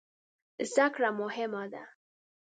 زده کړه مهم ده